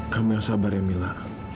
kami yang sabar ya mila